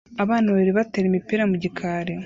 Abana babiri batera imipira mu gikari